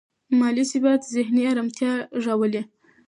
مالي ثبات ذهني ارامتیا راولي.